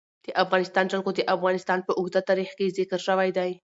د افغانستان جلکو د افغانستان په اوږده تاریخ کې ذکر شوی دی.